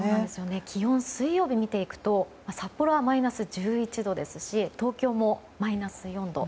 気温、水曜日見ていくと札幌はマイナス１１度東京もマイナス４度。